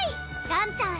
らんちゃん